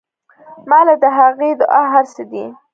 ما له د هغې دعا هر سه دي.